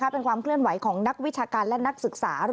เป็นความเคลื่อนไหวของนักวิชาการและนักศึกษา